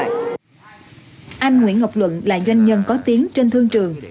nhưng có lẽ là anh nguyễn ngọc luận là doanh nhân có tiếng trên thương trường